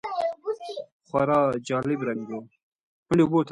خورا جالب رنګ و .